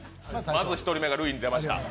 まず１人目が塁に出ました。